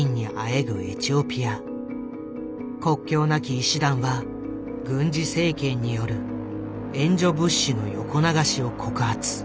国境なき医師団は軍事政権による援助物資の横流しを告発。